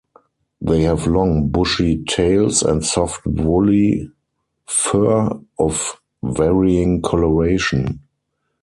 They have long, bushy tails and soft, woolly fur of varying coloration.